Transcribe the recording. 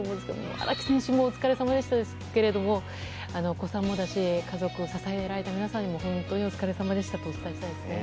荒木選手もお疲れさまでしたけれどもお子さんもだし家族を支えられている皆さんにも本当にお疲れさまでしたと伝えたいですね。